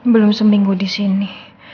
belum seminggu di sini